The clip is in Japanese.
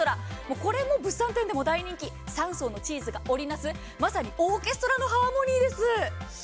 これも物産展でも大人気、３層のチーズが織り成すまさにオーケストラのハーモニーです。